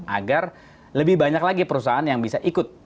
agar lebih banyak lagi perusahaan yang bisa ikut